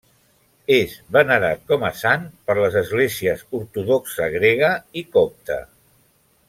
És venerat com a sant per les esglésies ortodoxa grega i copta.